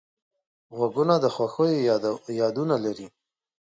غوږونه د خوښیو یادونه لري